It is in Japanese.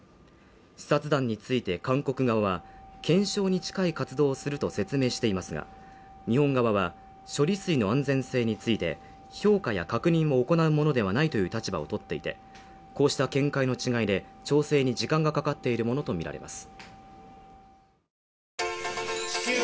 視察団について韓国側は、検証に近い活動をすると説明していますが、日本側は処理水の安全性について評価や確認を行うものではないという立場をとっていて、こうした見解の違いで調整に時間がかかっているものとみられます。